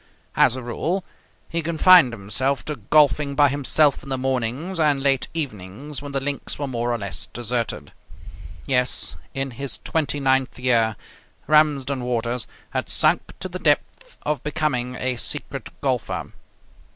As a rule, he confined himself to golfing by himself in the mornings and late evenings when the links were more or less deserted. Yes, in his twenty ninth year, Ramsden Waters had sunk to the depth of becoming a secret golfer.